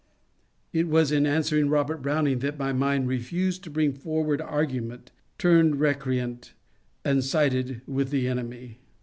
It was in answering Robert Browning that my mind refused to bring forward argument, turned recreant, and sided with the enemy.